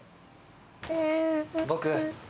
・僕。